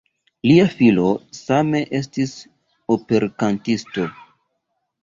Lia filo same estis operkantisto.